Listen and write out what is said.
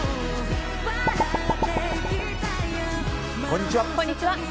こんにちは。